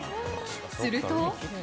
すると。